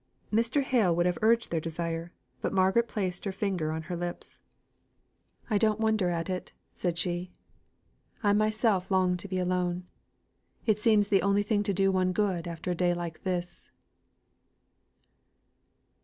Mr. Hale would have urged their desire, but Margaret placed her finger on his lips. "I don't wonder at it," said she. "I myself long to be alone. It seems the only thing to do one good after a day like this."